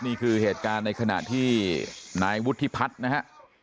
นี่คือเหตุการณ์ในขณะที่นายวุฒิพัฒน์นะฮะ